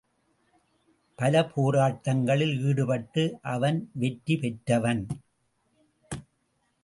பல போராட்டங்களில் ஈடுபட்டு அவன் வெற்றி பெற்றவன்.